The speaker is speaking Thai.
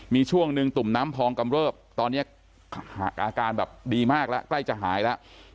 มีช่วงหนึ่งตุ่มน้ำพองกำเริบตอนนี้อาการแบบดีมากแล้วใกล้จะหายแล้ว